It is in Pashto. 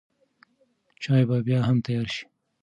چای به بیا هم تیار شي.